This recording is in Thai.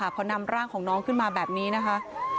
พอนำร่างของน้องขึ้นมาแบบนี้นะคะ